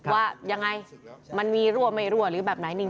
ว่ายังไงมันมีรั่วไม่รั่วหรือแบบไหนนี่